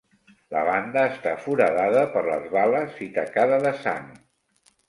La banda està foradada per les bales i tacada de sang.